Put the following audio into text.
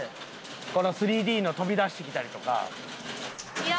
この３Ｄの飛び出してきたりとか。